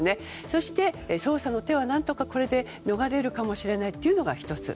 そして、捜査の手は何とかこれで逃れるかもしれないというのが１つ。